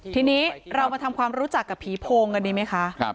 ทีนี้เรามาทำความรู้จักกับผีโพงกันดีไหมคะ